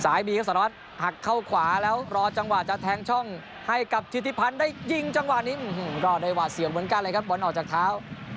สายบีอยู่สันลาขาดหักเข้าขวาแล้วรอกำลังจะแทงช่องให้คำที่ทฤพันธ์ได้ยิงจังหวะนี้รอด๗๒๐เวลากั้งเลยกับบอลออกจากเท้า